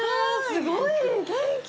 すごい、元気。